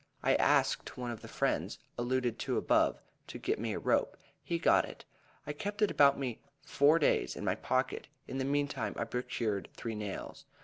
I asked one of the friends, alluded to above, to get me a rope. He got it. I kept it about me four days in my pocket; in the meantime I procured three nails.